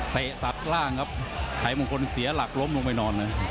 เตะสัดล่างครับไขมงคลเสียหลักล้มลงไปนอน